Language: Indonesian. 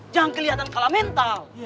jangan kelihatan kalah mental